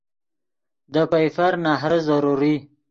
دے پئیفر نہرے ضروری